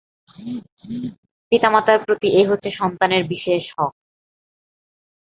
পিতামাতার প্রতি এ হচ্ছে সন্তানের বিশেষ হক।